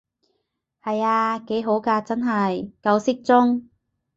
係啊，幾好㗎真係，夠適中